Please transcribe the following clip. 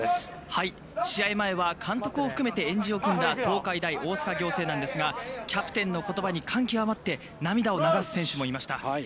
◆試合前は、監督を含めて円陣を組んだ東海大大阪仰星なんですが、キャプテンの言葉に感きわまって涙を流す選手もいました。